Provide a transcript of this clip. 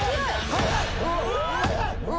速い！